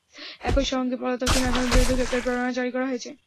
একই সঙ্গে পলাতক তিন আসামির বিরুদ্ধে গ্রেপ্তারি পরোয়ানা জারি করা হয়েছে।